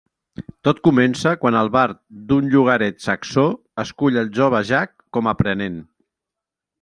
Tot comença quan el bard d'un llogaret saxó escull el jove Jack com aprenent.